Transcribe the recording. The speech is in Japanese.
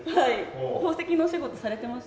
宝石のお仕事されてました？